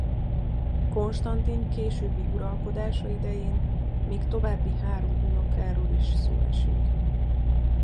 Konstantin későbbi uralkodása idején még további három unokáról is szó esik.